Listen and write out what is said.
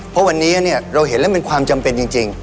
เพราะวันนี้เราเห็นแล้วมันความจำเป็นจริง